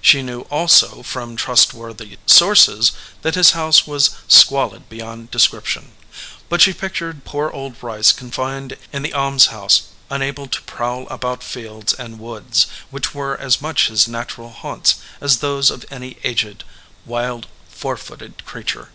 She knew, also, from trustworthy sources that his house was squalid beyond description. But she pictured poor old Rice confined in the aims house, unable to prowl about fields and woods, which were as much his natural haunts as those of any aged wild four footed creature.